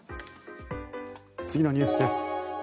次のニュースです。